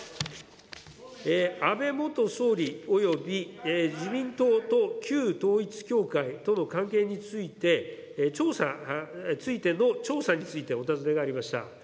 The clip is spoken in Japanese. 安倍元総理および自民党と旧統一教会との関係についてのちょうさについてのお尋ねがありました。